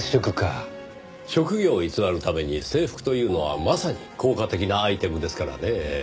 職業を偽るために制服というのはまさに効果的なアイテムですからねぇ。